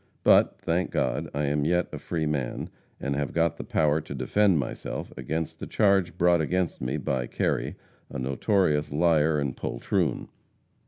But, thank God, I am yet a free man, and have got the power to defend myself against the charge brought against me by Kerry, a notorious liar and poltroon.